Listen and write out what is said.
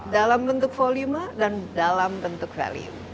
dalam bentuk volume dan dalam bentuk value